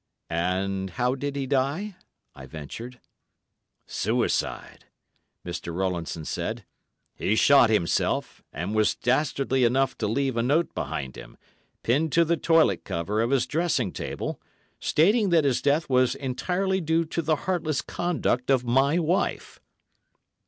"And how did he die?" I ventured. "Suicide," Mr. Rowlandson said. "He shot himself, and was dastardly enough to leave a note behind him, pinned to the toilet cover of his dressing table, stating that his death was entirely due to the heartless conduct of my wife."